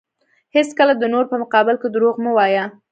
هیڅکله د نورو په مقابل کې دروغ مه وایه.